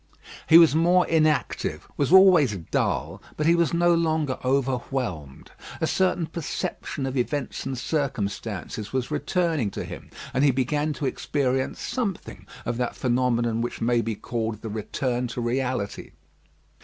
He was more inactive, was always dull; but he was no longer overwhelmed. A certain perception of events and circumstances was returning to him, and he began to experience something of that phenomenon which may be called the return to reality.